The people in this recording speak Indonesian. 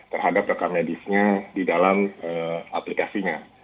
terhadap rekam medisnya di dalam aplikasinya